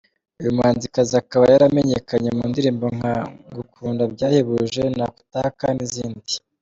Uyu muhanzikazi akaba yaramenyekanye mu ndirimbo nka Ngukunda byahebuje, Nakutaka n’izindi.